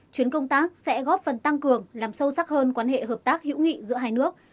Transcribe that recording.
chuyến công tác sẽ góp phần tăng cường làm sâu sắc hơn quan hệ hợp tác hữu nghị giữa hai nước